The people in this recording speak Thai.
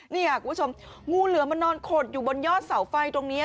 นี่ค่ะคุณผู้ชมงูเหลือมันนอนขดอยู่บนยอดเสาไฟตรงนี้